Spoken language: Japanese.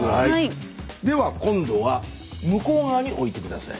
では今度は向こう側に置いて下さい。